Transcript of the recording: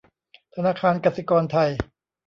ธนาคารกสิกรไทย